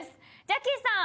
ジャッキーさん！